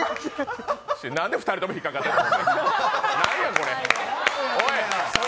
何で２人とも引っかかってるの。